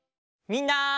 みんな！